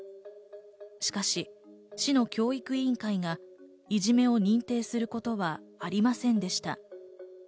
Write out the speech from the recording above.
しかし、市の教育委員会がいじめを認定することはありませんでした。